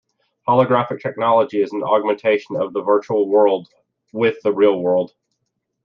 Holographic technology is an augmentation of the virtual world with the real world.